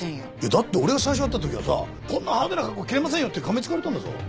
だって俺が最初会った時はさ「こんな派手な服着れませんよ！」って噛みつかれたんだぞ。